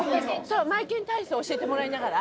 マエケン体操を教えてもらいながら。